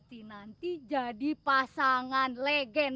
cecep selamat tinggal cecep